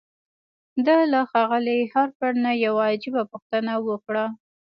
ده له ښاغلي هارپر نه يوه عجيبه پوښتنه وکړه.